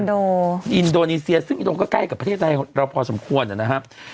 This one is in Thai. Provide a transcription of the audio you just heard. อินโดนีเซียซึ่งอินโดก็ใกล้กับประเทศไทยเราพอสมควรนะครับ